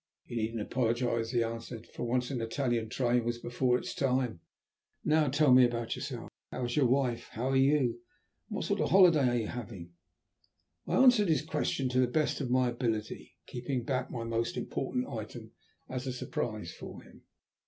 "You needn't apologize," he answered. "For once an Italian train was before its time. And now tell me about yourself. How is your wife, how are you, and what sort of holiday are you having?" I answered his questions to the best of my ability, keeping back my most important item as a surprise for him.